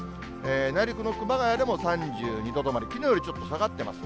内陸の熊谷でも３２度止まり、きのうよりちょっと下がっています。